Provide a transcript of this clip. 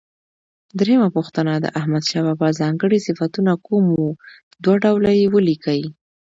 درېمه پوښتنه: د احمدشاه بابا ځانګړي صفتونه کوم و؟ دوه ډوله یې ولیکئ.